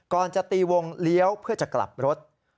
จะตีวงเลี้ยวเพื่อจะกลับรถ